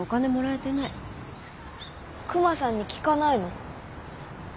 クマさんに聞かないの？